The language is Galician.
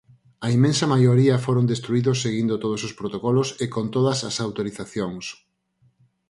A inmensa maioría foron destruídos seguindo todos os protocolos e con todas as autorizacións.